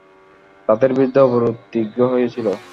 তাদের বিরুদ্ধে অবরোধ দীর্ঘ হয়েছিল।